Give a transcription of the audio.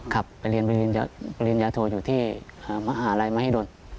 ครับไปเรียนปริญญาโทอยู่ที่มหาลัยมหิดล